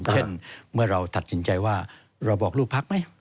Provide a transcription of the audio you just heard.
เช่นเมื่อเราตัดสินใจว่าเราบอกลูกพักไหม